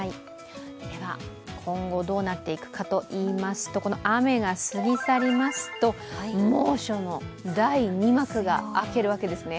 今後、どうなっていくかといいますと、この雨が過ぎ去りますと猛暑の第２幕が開けるわけですね。